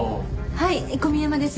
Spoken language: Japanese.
はい小宮山です。